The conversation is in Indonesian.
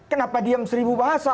kenapa diam seribu bahasa